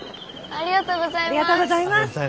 ありがとうございます。